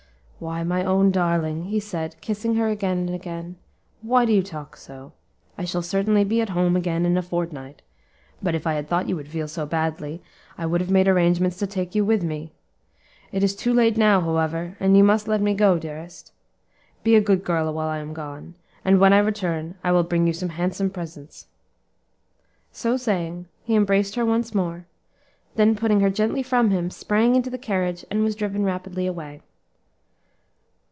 "Why, my own darling," he said, kissing her again and again, "why do you talk so? I shall certainly be at home again in a fortnight; but if I had thought you would feel so badly, I would have made arrangements to take you with me. It is too late now, however, and you must let me go, dearest. Be a good girl while I am gone, and when I return I will bring you some handsome presents." So saying, he embraced her once more, then putting her gently from him, sprang into the carriage and was driven rapidly away.